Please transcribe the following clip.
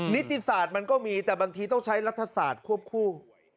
นิติศาสตร์มันก็มีแต่บางทีต้องใช้รัฐศาสตร์ควบคู่